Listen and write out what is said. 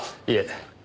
いいえ。